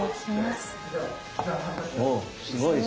すごい。